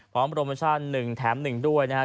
พร้อมโรแมนชั่น๑แถม๑ด้วยนะฮะ